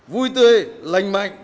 vui tươi lành mạnh